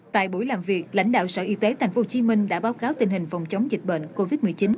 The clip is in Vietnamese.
tại buổi làm việc lãnh đạo sở y tế tp hcm đã báo cáo tình hình phòng chống dịch bệnh covid một mươi chín